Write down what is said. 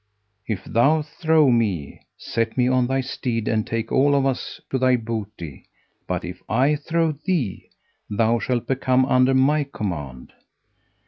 If thou throw me, set me on thy steed and take all of us to thy booty; but if I throw thee, thou shalt become under my command.